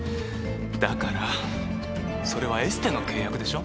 だからそれはエステの契約でしょ？